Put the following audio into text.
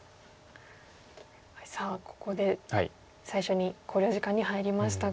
さあここで最初に考慮時間に入りましたが。